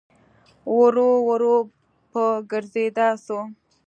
ورو ورو په ګرځېدا سو.